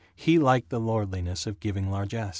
He liked the lordliness of giving largess.